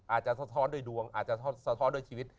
สะท้อนด้วยดวงอาจจะสะท้อนด้วยชีวิต